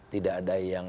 tidak ada yang